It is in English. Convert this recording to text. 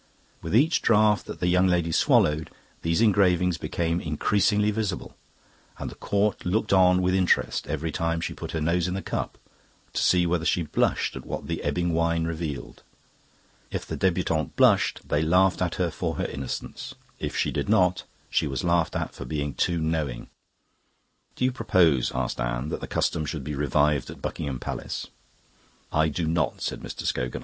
With each draught that the young lady swallowed these engravings became increasingly visible, and the Court looked on with interest, every time she put her nose in the cup, to see whether she blushed at what the ebbing wine revealed. If the debutante blushed, they laughed at her for her innocence; if she did not, she was laughed at for being too knowing." "Do you propose," asked Anne, "that the custom should be revived at Buckingham Palace?" "I do not," said Mr. Scogan.